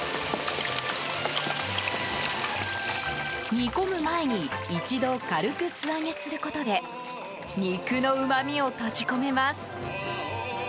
煮込む前に一度軽く素揚げすることで肉のうまみを閉じ込めます。